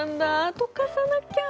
溶かさなきゃ。